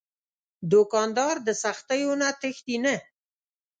دوکاندار د سختیو نه تښتي نه.